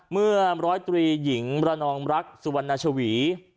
เมื่อ๑๐๓หญิงมรนองรักสุวรรณชาวี